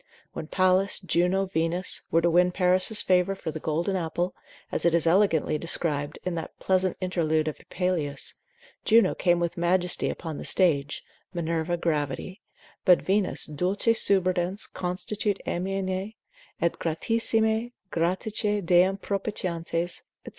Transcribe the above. When Pallas, Juno, Venus, were to win Paris' favour for the golden apple, as it is elegantly described in that pleasant interlude of Apuleius, Juno came with majesty upon the stage, Minerva gravity, but Venus dulce subridens, constitit amaene; et gratissimae, Graticae deam propitiantes, &c.